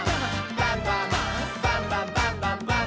バンバン」「バンバンバンバンバンバン！」